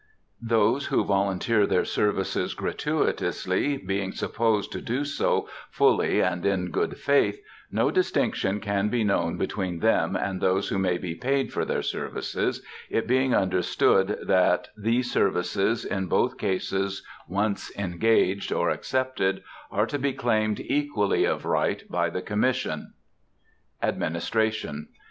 Those who volunteer their services gratuitously being supposed to do so fully and in good faith, no distinction can be known between them and those who may be paid for their services, it being understood that these services, in both cases, once engaged or accepted, are to be claimed equally of right by the Commission. ADMINISTRATION.